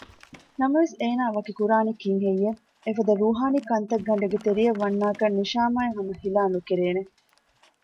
ނަމަވެސް އޭނާ ވަކި ކުރާނީ ކީއްހެއްޔެވެ؟ އެފަދަ ރޫހާނީ ކަންތައްގަނޑެއްގެ ތެރެއަށް ވަންނާކަށް ނިޝާމާއަށް ހަމަ ހިލާ ނުކެރޭނެ